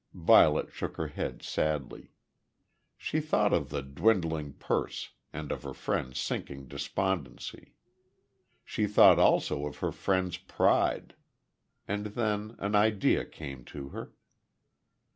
Violet shook her head sadly. She thought of the dwindling purse, and of her friend's sinking despondency. She thought also of her friend's pride. And then an idea came to her.